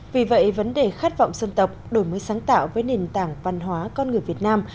vì vậy vấn đề khát vọng dân tộc đổi mới sáng tạo với nền tảng văn hóa con người việt nam